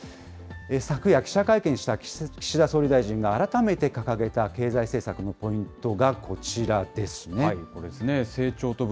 昨夜、記者会見した岸田総理大臣が、改めて掲げた経済政策のポイントがこちらです。